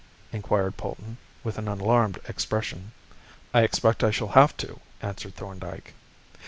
inquired Polton, with an alarmed expression. "I expect I shall have to," answered Thorndyke.